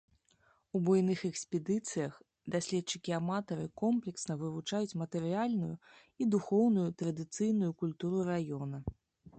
У буйных экспедыцыях даследчыкі-аматары комплексна вывучаюць матэрыяльную і духоўную традыцыйную культуру раёна.